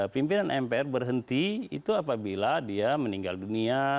pimpinan mpr berhenti itu apabila dia meninggal dunia